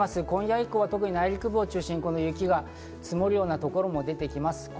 今夜以降、特に内陸部を中心に雪が積もるようなところも出てきます。